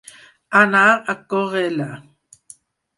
Anar a córrer-la.